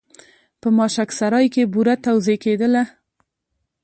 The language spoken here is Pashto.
په ماشک سرای کې بوره توزېع کېدله.